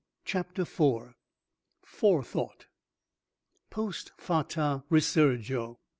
CHAPTER IV. FORETHOUGHT. "Post fata resurgo."